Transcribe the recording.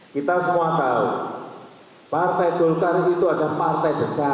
kita semua tahu partai golkar itu adalah partai besar